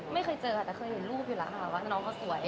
ไม่เคยเจอแต่เคยเห็นรูปอยู่แล้วว่าน้องมันสวย